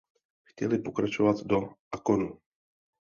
Chtěli pokračovat do Akkonu.